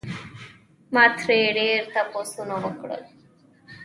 ما ترې ډېر تپوسونه وکړل